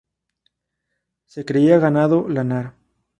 Se cría ganado lanar.